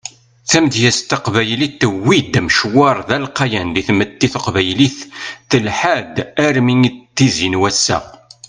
Tamedyazt taqbaylit tewwi-d amecwar d alqayan di tmetti taqbaylit telḥa-d armi d tizi n wass-a.